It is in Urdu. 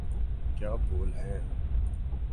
کیا بول ہیں۔